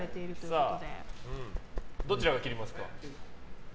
どちらが切りますか？